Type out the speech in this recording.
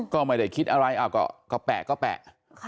ก็ไม่ได้คิดอะไรก็แปะก็แปะ